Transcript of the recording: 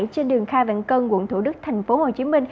trên đường khai vạn cân quận thủ đức tp hcm